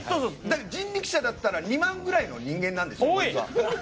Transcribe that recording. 人力舎だったら２万ぐらいの人間なんですよ。